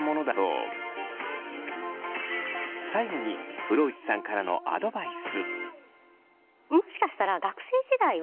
最後に風呂内さんからのアドバイス。